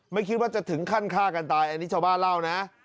ไม่คิดว่าจะถึงขั้นฆ่ากันตายอันนี้ชาวบ้านเล่านะ